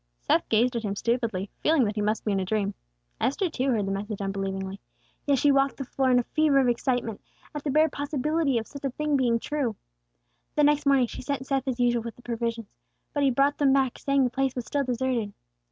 Seth gazed at him stupidly, feeling that he must be in a dream. Esther, too, heard the message unbelievingly. Yet she walked the floor in a fever of excitement, at the bare possibility of such a thing being true. The next morning, she sent Seth, as usual, with the provisions. But he brought them back, saying the place was still deserted.